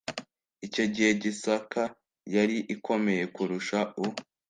icyo gihe gisaka yari ikomeye kurusha u